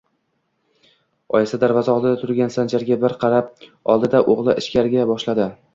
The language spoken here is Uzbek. Oyisi darvoza oldida turgan Sanjarga bir qarab oldi-da, o‘g‘lini ichkariga boshladi